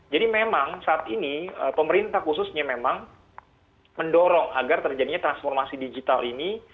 jadi memang saat ini pemerintah khususnya memang mendorong agar terjadinya transformasi digital ini